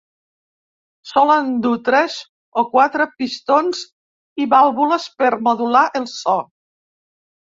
Solen dur tres o quatre pistons i vàlvules per modular el so.